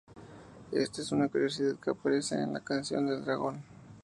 Esta es una curiosidad que aparece en "La canción del dragón".